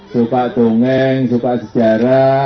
suka tungeng suka sejarah